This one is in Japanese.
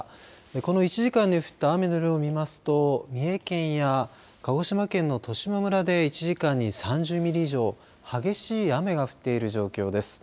この１時間に降った雨の量を見ますと三重県や鹿児島県の十島村で１時間に３０ミリ以上激しい雨が降っている状況です。